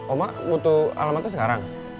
oma butuh alamatnya sekarang